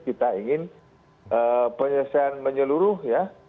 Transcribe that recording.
kita ingin penyelesaian menyeluruh ya